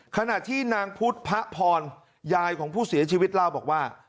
ขณะที่นางพุทธพระพรยายของผู้เสียชีวิตเล่าบอกว่า